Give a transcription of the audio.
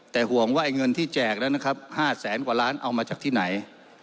แต่ห่วงว่าไอ้เงินที่แจกแล้วนะครับ๕แสนกว่าล้านเอามาจากที่ไหน